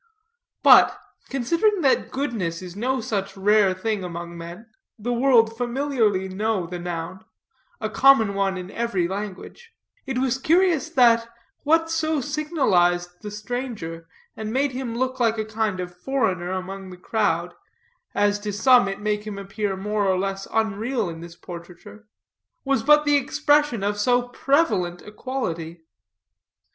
But, considering that goodness is no such rare thing among men the world familiarly know the noun; a common one in every language it was curious that what so signalized the stranger, and made him look like a kind of foreigner, among the crowd (as to some it make him appear more or less unreal in this portraiture), was but the expression of so prevalent a quality.